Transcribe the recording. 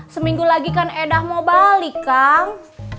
seminggu lagi kan edah mau balik kang